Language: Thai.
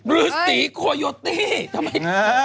ฤษีโคโยตี้ทำไม